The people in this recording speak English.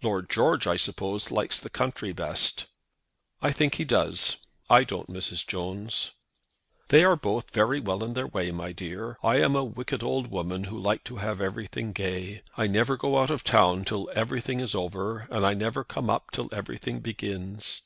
"Lord George, I suppose, likes the country best?" "I think he does. I don't, Mrs. Jones." "They are both very well in their way, my dear. I am a wicked old woman, who like to have everything gay. I never go out of town till everything is over, and I never come up till everything begins.